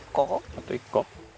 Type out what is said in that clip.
あと１個。